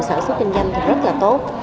sản xuất kinh doanh thì rất là tốt